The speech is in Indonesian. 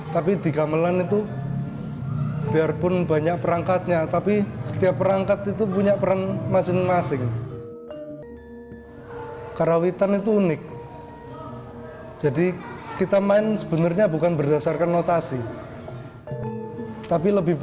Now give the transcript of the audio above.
tapi lebih berdasarkan rasa